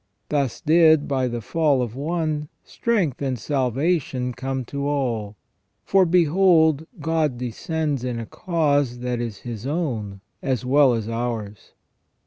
Thus did, by the fall of one, strength and salvation come to all; for behold, God descends in a cause that is His own as well as ours.